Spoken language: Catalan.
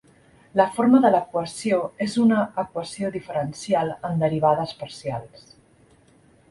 La forma de l'equació és una equació diferencial en derivades parcials.